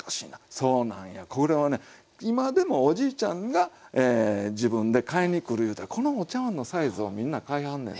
そうなんやこれはね今でもおじいちゃんが自分で買いにくるいうたらこのお茶わんのサイズをみんな買いはんねん。